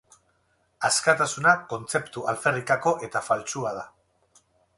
Askatasuna kontzeptu alferrikako eta faltsua da.